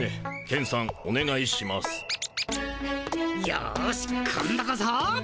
よし今度こそ！